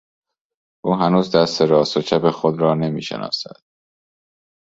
او هنوز دست راست و چپ خود را نمیشناسد.